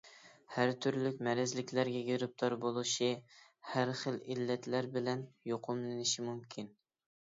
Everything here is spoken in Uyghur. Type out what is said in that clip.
ھەر تۈرلۈك مەرەزلىكلەرگە گىرىپتار بولۇشى، ھەرخىل ئىللەتلەر بىلەن يۇقۇملىنىشى مۇمكىن.